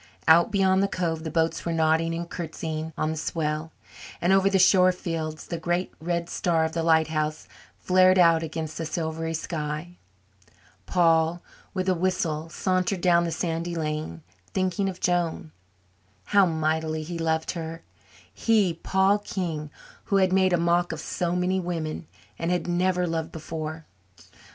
Out beyond the cove the boats were nodding and curtsying on the swell, and over the shore fields the great red star of the lighthouse flared out against the silvery sky. Paul, with a whistle, sauntered down the sandy lane, thinking of Joan. How mightily he loved her he, Paul King, who had made a mock of so many women and had never loved before!